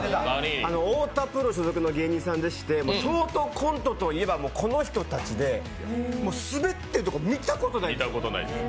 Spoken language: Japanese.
太田プロ所属の芸人さんでして、ショートコントといえばこの人たちで、滑ってるところ見たことないんですよ。